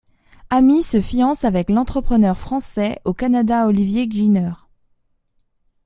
Amy se fiance avec l'entrepreneur français au Canada Olivier Giner.